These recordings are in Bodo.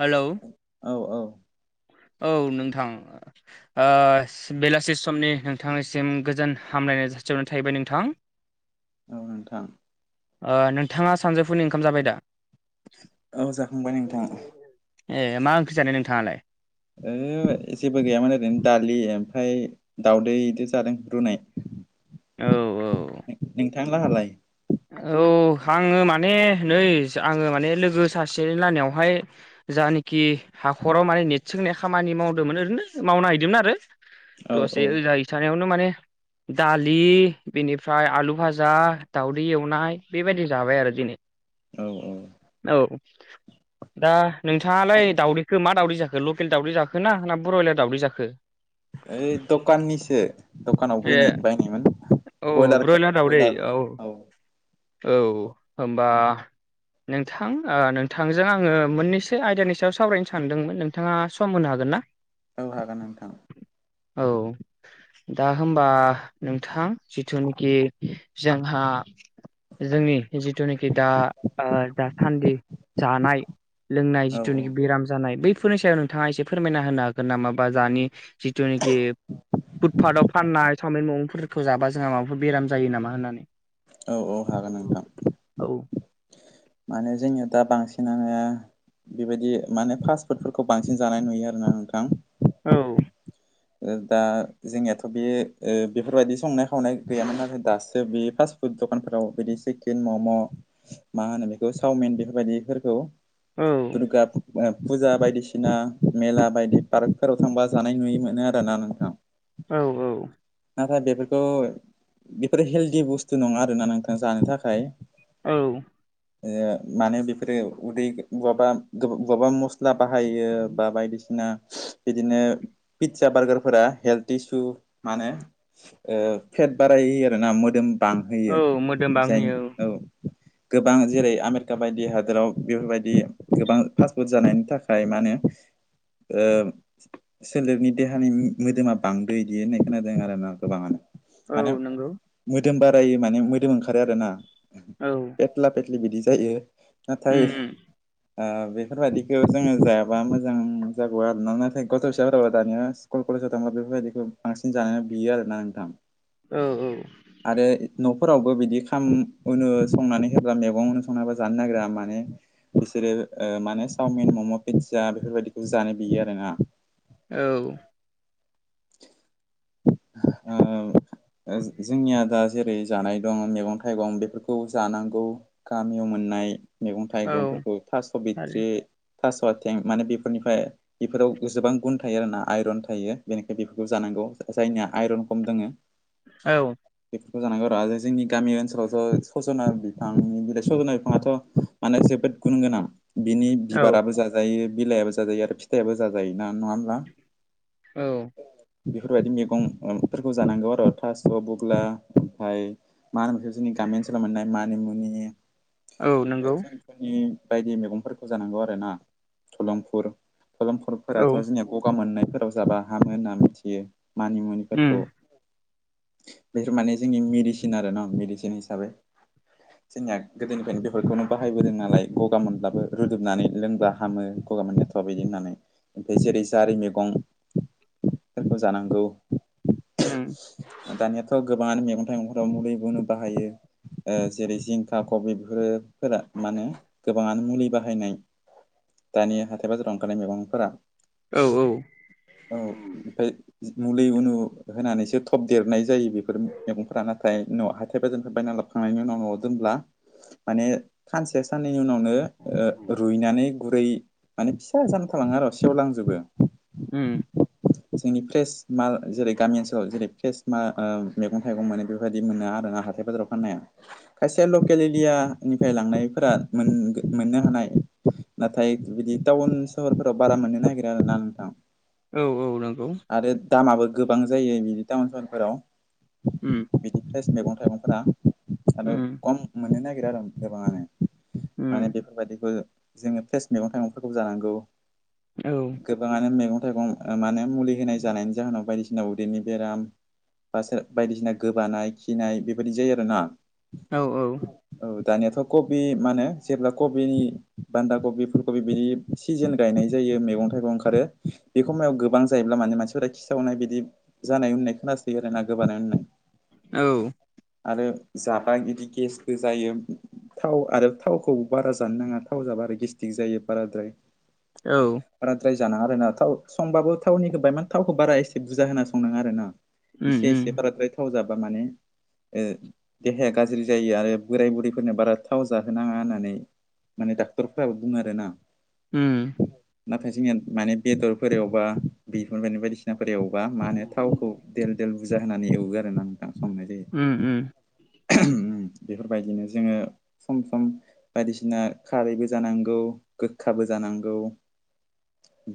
हेलौ' औ-औ। औ नोंथां। ओ बेलासि समनि नोंथांनिसिम गोजोन हामलायनाय जासिहरनाय थाहैबाय नोंथां। [inaudible] औ नोंथां। ओ नोंथाङा सानजौफुनि ओंखाम जाबाय दा? औ जाखांबाय नोंथां। ए मा ओंख्रि जानाय नोंथाङालाय? ओ जेबो गैयामोन ओरैनो दालि ओमफ्राय दावउदै इदो जादों रुनाय। औ औ। नोंथां लाहालाय? औ आंङो माने नै आंङो माने लोगो सासेनि लाहानियावहाय जानाखि हाखराव माने नेट सोंनाय खामानि मावदोंमोन ओरैनो मावना हैदोंमोन आरो। औ दसे औ होजायो। सानायावनो माने दालि बेनिफ्राय आलु फाजा दाउ दै एवनाय बेबायदि जाबाय आरो दिनै। औ औ। औ। दा नोंथाङालाय दाउदैखौ मा दावदै जाखो लकेल दाावदै जाखोना ना ब्रयलार दावदै जाखो? ओइ दखाननिसो दखानाव ए बैनाय बायनायमोन औ ब्रयलारखौ दावदै ब्रयलार औ औ होमबा नोंथां ओ नोंथांजों आंङो मोननैसो आयदानि सायाव सावरायनो सानदोंमोन नोंथाङा सम होनो हागोन ना? औ हागोन नोंथां। औ। दा होमबा नोंथां जिथुनाखि जोंहा जोंनि जिथुनाखि दा ओ दासान्दि जानाय लोंनाय औ औ जिथुनिखि बेराम जानाय बैफोरनि सायाव नोंथाङा एसे फोरमायना होनो हागोन नामा बा दानि जिथुनिखि फुटपाटाव फाननाय सावमिन ममफोर जाबा जोंहा माबाफोर बेराम जायो नामा होननानै? औ औ हागोन नोंथां। औ। माने जोंनिया दा बांसिनानो बेबायदि माने फास्ट फुडफोरखौ बांसिन जानाय नुयो आरोना नोंथां। औ। ओ दा जोंनियाथ' बे ओ बेफोरबायदि संनाय खावनाय गैयामोन आरोथाय दासो बे फास फुद दखानफोराव बिदि चिकेन मम' मा होनो बेखौ चावमिन बेफोरबायदिफोरखौ औ [unintelligible] फुजा बायदिसिना मेला बायदि पार्कफोराव थांबा जानाय नुयै मोनो आरो ना नोंथां। औ औ। नाथाय बेफोरखौ बेफोरो हेलदि बुस्थु नंङा आरोना नोंथां जानो थाखाय। औ। मानो बेफोरो उदै बहाबा बहाबा मस्ला बाहायो बा बायदिसिना ओ बिदिनो पिज्जा बारगारफोरा हेल्थ इसु मा होनो ओ फेट बारायो आरोना मोदोम औ बांहोयो मोदोम जाय बांहोयो औ। गोबां जेरै आमेरिका बायदि हादोराव बेफोरबायदि गोबां फासफुद जानायनि थाखाय मा होनो ओ सोलेरनि देहानि मोदोमा बांदो इदि होनो। खोनादों आरोना गोबांआनो औ माने नंगौ मोदोम बारायो माने मोदोम ओंखारो आरो ना। औ। फेथ्ला फेथ्लि बिदि जायो नाथाय उम उम ओ बेफोरबायदिखौ जोंङो जायाबा मोजां जागौ आरोना नाथाय गथ' फिसाफोराबो दानिया स्कुल कलेजाव थांब्ला बेफोरबायदिखौ बांसिन जानानै बियो आरोना नोंथां। औ औ। आरो न'फोरावबो बिदि खाम उनु संनानै होबब्ला मैगंनो संनानै हा जानो नागिरा माने बिसोरो माने चावमिन मम' पिज्जा बेफोरबायदिखौ जानो बियो आरोना। औ। ओ ओ जो-जोंनिया दा जेरै जानाय दं मैगं थाइगं बेफोरखौ जानांगौ, गामियाव मोननाय मैगं औ थाइगंफोरखौ। थास' आरो बिथ्रि थास' आथें माने बेफोरनिफ्राय बेफोराव गोबां गुन थायो आरोना आइरन थायो बेनिखाय बेफोरखौ जानांगौ। जायनिया आइरन खम दोङो औ। बेफोरखौ जानांगौ आरो जोंनि गामि ओनसोलावथ' सज'ना बिफांनि बिलाइ सजना बिफाङाथ' माने जोबोद गुनगोनां। बिनि औ बिबाराबो जाजायो बिलायाबो जाजायो आरो फिथाइाबो जाजायोना नंङा होमब्ला? औ। बेफोरबायदि मैगंफोरखौ जानांगौ आरो थास' बुग्ला ओमफाय मा होनो बेखौ जोंनि गामि ओनसोलाव मोननाय मानिमुनि औ नंगौ फोरनि बायदि मैगंफोरखौ जानांगौ आरोना। थलमफुर औ थलमफुरफोराथ' जोंनिया गगा मोननायफोराव जाबा हामो होनना मिथियो। मानिमुनि उम। बेफोर माने जोंनि मेडिसिन आरो न' मेडिसिन हिसाबै जोंनिया गोदोनिफ्रायनो बेफोरखौनो बाहायबोदों नालाय गगा मोनब्लाबो रुदुबनानै लोंब्ला हामो। गगा मोन बिदि होननानै। ओमफ्राय जेरै जारि मैगं जानांगौ। उम। दानियाथ' गोबां मैगं थाइगंफोराव मुलि गुनु बाहायो। ओ जेरै जिंखा खबि बेफोरो फोरा मा होने गोबांङानो मुलि बाहायनाय। दानि हाथाय बाजाराव ओंखारनाय मैगंफोरा। औ औ। औ ओमफ्राय मुलि उनु होनानैसो थब देरनाय जायो बेफोर मैगंफोरा नाथाय न' हाथाय बाजारफ्राय बायना लाब खांनायनि उनाव न'आव दोनब्ला माने सानसे साननैनि उनावनो ओ रुइनानै गुरै माने फिसा जान थलाङो आरो सेवलांजोबो। उम। जोंनि फ्रेस माल जेरै गामि ओनसोलाव जेरै फ्रेस मा ओ मैगं थाइगं मोनो बेफोरबायदि मोना आरोना हाथाय बाजाराव। खायसे लकेल एलियानिफ्राय लांनायफोरा मोन मोननो हानाय। नाथाय बिदि टाउन सहरफोराव बारा मोननो नागिरा आरो ना नोंथां। औ औ नंगौ। आरो दामाबो गोबां जायो बिदि टाउन सहरफोराव। उम। बिदि फ्रेस मैगं थाइगंफोरा आरो उम कम मोननो नागिरो आरो गोबाङानो। माने उम बेफोरबायदिखौ जोंङो फ्रेस मैगं थाइगंफोरखौ जानांगौ। औ गोबांङानो मैगं थाइगं मा होनो मुलि होनाय जानायनि जाहोनाव बायदिसिना उदैनि बेराम बा बायदिसिना गोबानाय खिनाय बेबायदि जायो आरोना। औ औ। औ दानियाथ' कबि माहोनो जेब्ला कबिनि बान्दा कबि, फुलकबि बिदि सिजेन गायनाय जायो मैगं थाइगं ओंखारो। बे खमायाव गोबां जायो ब्ला माने मानसिफोरा खिसावनाय बिदि जानाय होननाय खोनासायो आरो ना गोबानाय होननाय। औ। आरो जाबा इदि गेसबो जायो। थाव आरो थावखौ बारा जानो नाङा थाव जाब आरो गेस्टिक जायो बाराद्राय। औ। बाराद्राय जानांङा आरो ना थाव संबाबो थावनिखौबाय मान थावखौ बारा एसे बुरजा होना संनाङा आरो ना। उम एसे एसे बाराद्राय थाव जाबा माने देहाया गाज्रि जायो आरो बोराय बुरैफोरनो बारा थाव जाहोनाङा होननानै माने डक्टरफोराबो बुंङो आरो ना। ओम नाथाय जोंनिया माने बेदरफोर एवबा बिफोर [unintelligible] बायदिसिना सिनाफोर एवबा मा होनो थावखौ देल देल बुरजा होनानै एवो आरो नोंथां संनाय जायो। उम उम बेफोरबायदिनो जोंङो सम सम बायदिसिना खारैबो जानांगौ गोखाबो जानांगौ।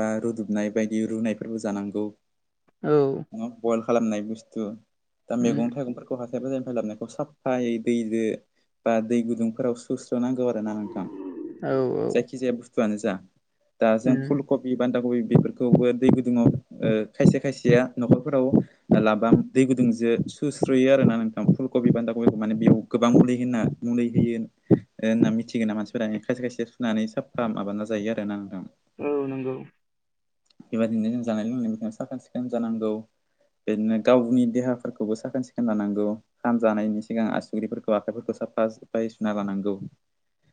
बा रुदुबनाय बायदि रुनायफोरबो जानांगौ। औ बयल खालामनाय बुस्थु दा उम मैगं थाइगंफोर हाथाय बाजारनिफ्राय लाबोनायखौ साफायै दैजो बा दै गुदुंफोराव सुस्र'नांगौ नोंथां औ औ जायखि जायानो बुस्थुवानो जा दा जों उम फुल कबि बान्दा कबि बेफोरखौबो दै गुदुंङाव खायसे खायसेया न'खरफोराव लाबाम दै गुदुंजों सुस्रोयो आरो ना नोंथां फुलकबि बान्दा कबिखौ माने बेयाव गोबां मुलै होनना मुलै होयो। होनना मिथिगोन ना मानसिफोरा खायसे खायसे सुनानै साफा माबाना जायो आरो ना नोंथां। औ नंगौ बेबायदिनो जों जानाय लोंनायनि साखोन सिखोन जानांगौ। बिदिनो गावनि देहाफोरखौबो साखोन सिखोन लानांगौ। खानजानायनि सिगां आसुग्रिफोरखौ आखाइफोरखौ साफा सुफायै सुना लानांगौ।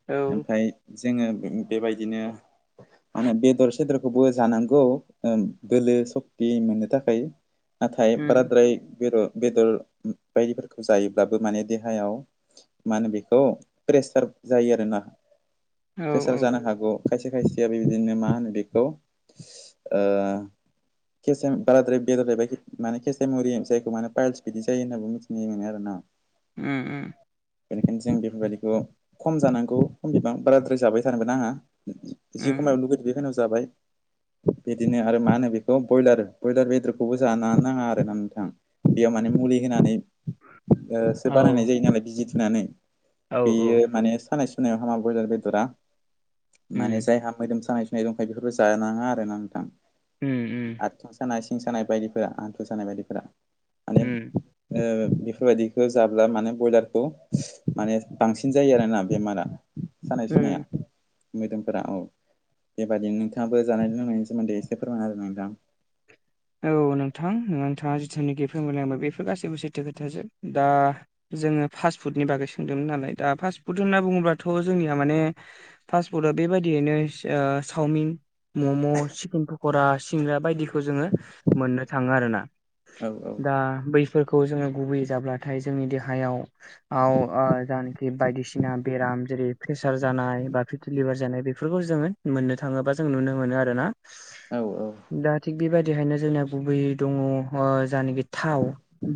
औ ओमफाय जोङो बेबायदिनो माने बेदर सेदरखौबो जानांगौ बोलो सक्ति मोननो थाखाय नाथाय उम बाराद्राय बेदर बेदर बायदिफोरखौ जायोब्लाबो माने देहायाव मा होनो बेखौ प्रेसार जायो आरो ना। औ प्रेसार जानो हागौ खायसे खायसेया बेबायदिनो मा होनो बेखौ [unintelligible] बाद्राय बेदर जायोबा माने केसेमरि जायखौ मे पाइल्स बिदि जायो होनना मिथ [unintelligible] आरोना उम उम बेनिखायनो जों बेफोरबायदिखौ खम जानांगौ खम बिबां बाराद्राय जाबाय थानोबो नाङा। जि उम खमायाव लुगैदो बेखिनियाव जाबाय। बिदिनो आरो मा होनो बेखौ ब्रयलार ब्रयलार बेदरखौबो जानो नाङा आरोना नोंथां। बेयाव माने मुलि होनानै सो औ बानायनाय जायो नालाय बिजि थुनानै औ बेयो माने सानाय सु सुनायाव हामा ब्रयलार बेदरा उम माने जायहा मोदोम सानाय सुनाय दंखायो बेफोरबो जानाङा आरो आरोना नोंथां उम आथिं सानाय सिं सानाय बायदिफोरा हान्थु सानाय बायदिफोरा माने उम बेफोरबायदिखौ जाब्ला माने ब्रयलारखौ माने बांसिन जायो आरोना बेमारा। सानाय सुनाया उम मोदोमफोरा औ बेबायदिनो नोंथाङाबो जानाय बुंनायनि सोमोनदै एसे फोरमायना होदो नोंथां। औ नोंथां नोंथाङा जिथुनिखि फोरमायलांबाय बेफोर गासैबो सैथो खोथाजोब दा जोङो फास्टफुदनि बागै सोंदोंमोन नालाय दा फास्टफुद होनना बुङोब्लाथ' जोंनिया माने फास्ट फुडा बेबायदियैनो सावमिन मम' चिकेन पक'रा सिंग्रा बायदिखौ जोङो मोननो थाङो आरो ना। होदो नोंथां दा बैफोरखौ जोङो गुबैयै जाब्लाथाय जोंनि देहायाव औ ओ जानखि बायदिसिना बेराम जेरै प्रेसार जानाय बा डिलिभार जानाय बेफोरखौ जोङो मोननो थाङोबा जों नुनो मोनो आरो ना। औ औ। दा थिग बेबायदिहायनो जोंना गुबै दङ ओ जानाखि थाव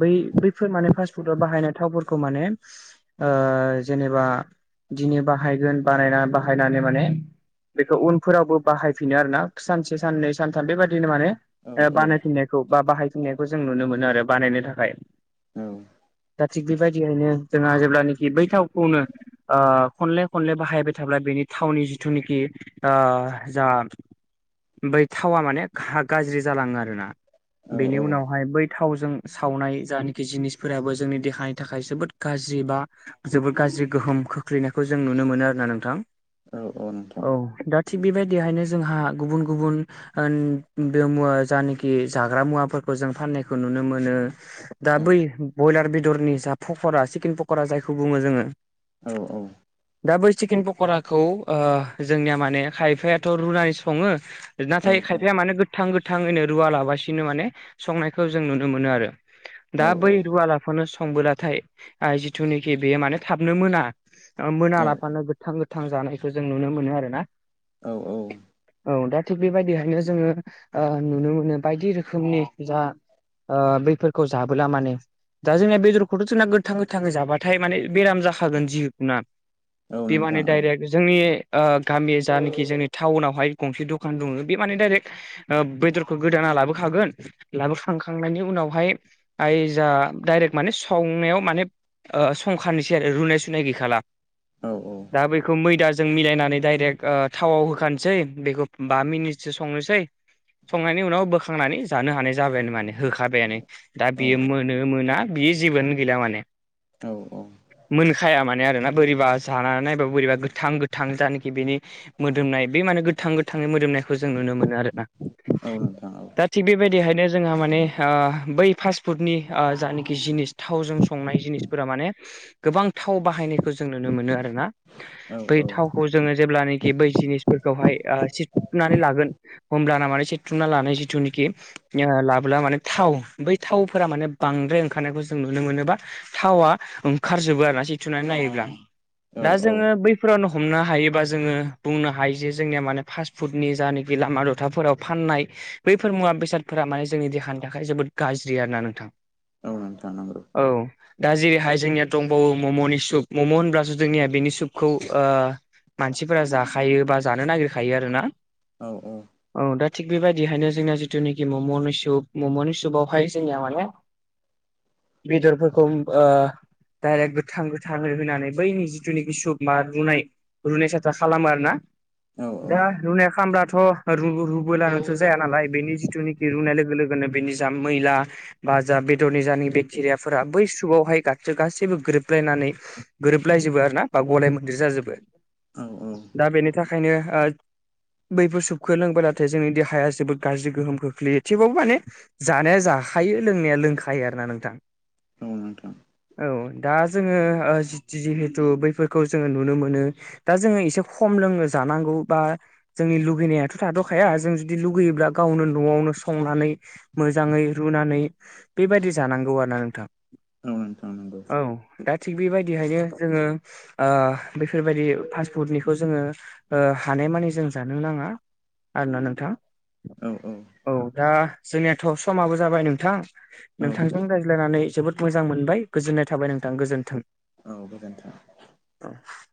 बै बैफोर माने फास्टफुडआव बाहायनाय थावफोरखौ माने ओ जेनेबा दिनै बाहायगोन। बानायना बाहायनानै माने बेखौ उनफोरावबो बाहायफिनो आरोना सानसे साननै सानथाम बेबायदिनो माने आ औ बानायफिननायखौ बा बाहायफिननायखौ जों नुनो मोनो आरो बानायनो थाखाय। औ औ दा थिग बेबायदियैनो जोंहा जेब्लानाखि बै थावखौनो आ खनले खनले बाहायबाय थाब्ला बेनि थावनि जिथुनिखि आ जा बै थावा माने खा गाज्रि जालाङो आरोना। बेनि औ उनावहाय बै थावजों सावनाय जानखि जिनिसफोराबो जोंनि देहानि थाखाय जोबोद गाज्रि बा जोबोद गाज्रि गोहोम खोख्लैनायखौ जों नुनो मोनो आरोना नोंथां। औ नोंथां औ दा थिग बेबायदिहायनो जोंहा गुबुन गुबुन ओन बे मुवा जानाखि जाग्रा मुवाफोरखौ जों फाननायखौ नुनो मोनो। दा औ बै ब्रयलार बेदरनि जा पकरा चिकेन पकरा जायखौ बुङो जोङो। औ औ। दा बै चिकेन पक'राखौ ओ जोंनिया माने खायफायाथ' रुनानै सङो। औ नाथाय खायफाया मानो गोथां गो थाङैनो रुवा लाबासिनो माने संनायखौ जों नुनो मोनो आरो। दा बै रुवाला नो संबोलाथाय आ जिथुनाखि बेयो माने थाबनो मोना आ मोना लाबानो थां गोथां जानायखौ जों नुनो मोनो आरो ना। औ औ। औ दा थिग बेबायदिहायनो जोङो नुनो मोनो बायदि रोखोमनि जा आ बैफोरखौ जाबोला माने दा जोंना बेदरखौथ' जोंना गोथां गोथाङै जाबाथाय माने बेराम जाखागोन जिखुना औ बि मानि नोंथां औ डायरेक्ट जोंनि आ गामि जानाखि जोंनि टाउनावहाय गंसे दखान दङो। बे माने डाइरेक्ट ओ बेदरखौ गोदाना लाबोखागोन लाबोखांखांनायनि उनावहाय आइ जा डाइरेक्ट माने संनायाव माने ओ संखानोसै आरो रुनाय सुनाय गैखाला। औ औ। दा बेखौ मैदाजों मिलायनानै दडाइरेक्ट ओ थावआव होखानोसै बेखौ बा मिनिटसो संनोसै संनायनि उनाव बोखांनानै जानो हानाय जाबायानो माने। होखाबायानो दा औ बेयो मोनो मोना बियो जेबोनो गैला माने। औ औ। मोनखाया माने आरोना बोरैबा जानानै नायबा बोरैबा गोथां गोथां जानाखि बेनि मोदोमनाय बे माने गोथां गोथांनि मोदोमनायखौ जों नुनो मोनो आरोना। औ नोंथां औ। दा थिग बेबायदिहायनो जोंहा माने आ बै फास्टफुडनि आ जानाखि जिनिस थावजों संनाय जिनिस फोरा माने गोबां थाव बाहायनायखौ जों नुनो मोनो आरोना। बै औ औ थावखौ जोङो जेब्लानाखि बै जिनिसफोरखौहाय [unintelligible] नानै लागोन होमब्ला ना मान सेथुमना लानाय जिथुनिखि लाबोब्ला माने थाव बै थावफोरा माने बांद्राय ओंखारनायखौ जों नुनो मोनो बा थावा ओंखारजोबो आरो ना सिथुनानै नायोब्ला। औ दा औ जोङो बै फोरावनो हमनो हायोबा जोङो बुंनो हायो जे जोंनिया माने फास्ट फुडनि जायाखि लामा दथाफोराव फाननाय बैफोर मुवा बेसादफोरा माने जोंनि देहानि थाखाय जोबोद गाज्रि आरोना नोंथां। औ नोंथां नोंगौ। औ। दा जेरैहाय जोंनिया दंबावो मम'नि सुप। मम' होनब्लासो जोंनिया बेनि सुपखौ ओ मानसिफोरा जाखायो बा जानो नागिरखायो आरो ना। औ औ। औ दा थिग बेबायदिहायनो जोंना जिथुनाखि मम'नि सुप म'म'नि सपावहाय जोंनिया माने बेदरफोरखौ ओ डाइरेक्ट गोथां गोथाङै होनानै बैनि जिथुनिखि सुबमा रुनाय रुनाय साथा खालामो आरोना। औ दा रुनाय खामब्लाथ' रु-रुबलानोथ' जाया नालाय बेनि जिथुनिखि रुनाय लोगो लोगो‌ गो बेनि जा मैला बा जा बेदरनि जानाय बेक्टेरियाफोरा बै सुगावहाय गो गासैबो गोरोबलायनानै गोरोबलायजोबो आरोना बा गलाय मोनदेर जाजोबो। औ औ। दा बेनि थाखायनो ओ बैफोर सुबुं खोलोंब्लाथाय जोंनि देहाया जोबोद गाज्रि गोहोम खोख्लैयो थेवबाबो माने जानाया जाखायो लोंनाया लोंखायो आरोना नोंथां। औ नोंथां। औ दा जोङो ओ जिति जिहेथु बैफोरखौ जोङो नुनो मोनो। दा जोङो एसे खम लोंनो जानांगौ बा जोंनि लुगैनायाथ' थाद'खाया जों जुदि लुगैयोब्ला गावनो न'आवनो संनानै मोजाङै रुनानै बेबायदि जानांगौ आरोना नोंथां औ नोंथां नंगौ औ। दा थिग बेबायदिहायो जोङो ओ बेफोरबायदि फास्ट फुडनिखौ जोङो ओ हानायमानि जों जानो नाङा। आरोना नोंथां। औ औ। औ दा जोंनियाथ' समाबो जाबाय नोंथां औ नोंथांजों रायज्लाय रायलायनानै जोबोद मोजां मोनबाय गोजोननाय थाबाय नोंथां गोजोन्थों। औ गोजोन्थों। [inaudible]